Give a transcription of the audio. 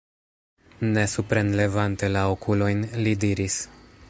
Ne suprenlevante la okulojn, li diris: